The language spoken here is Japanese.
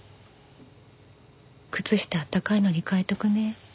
靴下温かいのに替えとくね。